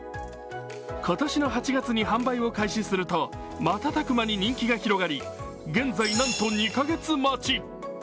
今年の８月に販売を開始すると瞬く間に人気が広がり、現在なんと２カ月待ち。